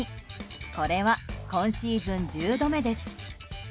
これは今シーズン１０度目です。